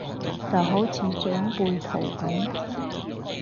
就好似長輩圖咁